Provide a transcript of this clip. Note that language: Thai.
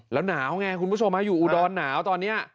แล้วหนาวไงคุณผู้ชมอยู่อุดรหนาวตอนนี้